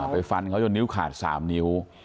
ไปฟันเขายนต์นิ้วขาดสามนิ้ว